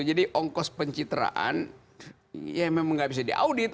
jadi ongkos pencitraan ya memang gak bisa diaudit